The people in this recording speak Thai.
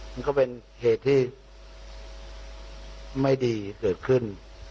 มันก็เป็นเหตุที่ไม่ดีเกิดขึ้น